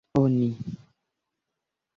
oni